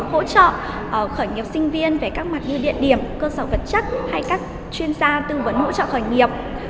hỗ trợ khởi nghiệp sinh viên về các mặt như địa điểm cơ sở vật chất hay các chuyên gia tư vấn hỗ trợ khởi nghiệp